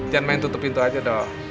jangan main tutup pintu aja dong